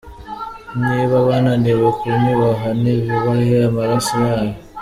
Niba bananiwe kunyubaha nibubahe amaraso yawe.